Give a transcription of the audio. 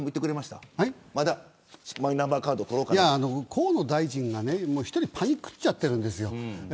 河野大臣が１人でパニくっちゃってるんです。